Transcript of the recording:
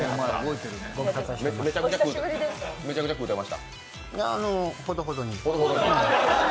めちゃくちゃ食うてました？